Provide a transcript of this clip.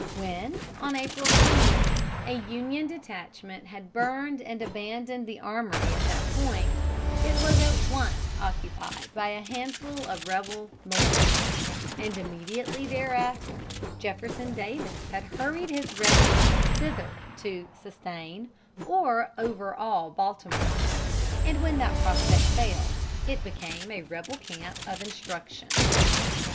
When, on April 20, a Union detachment had burned and abandoned the armory at that point, it was at once occupied by a handful of rebel militia; and immediately thereafter Jefferson Davis had hurried his regiments thither to "sustain" or overawe Baltimore; and when that prospect failed, it became a rebel camp of instruction.